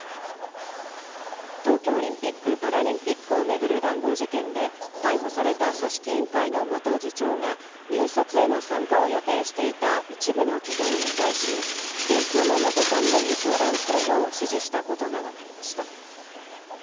東京オリンピック・パラリンピックを巡る談合事件で、逮捕された組織委員会の元次長が入札への参加を予定していた一部の企業に対し、電通の元幹部に相談するよう指示したことがわかりました。